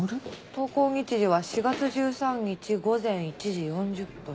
投稿日時は４月１３日午前１時４０分。